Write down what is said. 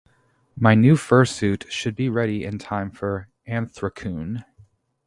My new fursuit should be ready in time for Anthrocon.